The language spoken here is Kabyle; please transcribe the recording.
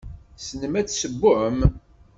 Tessnem ad tessewwem?